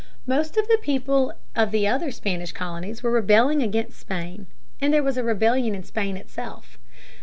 Most of the people of the other Spanish colonies were rebelling against Spain, and there was a rebellion in Spain itself.